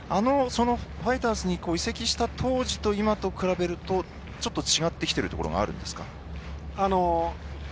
ファイターズに移籍した当時と今は比べると違ってきてるところがありますか。